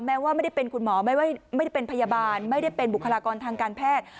แม้ว่าไม่ได้เป็นคุณหมอไม่ได้เป็นพยาบาลไม่ได้เป็นบุคลากรทางการแพทย์